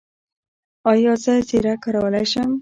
ایا زه زیره کارولی شم؟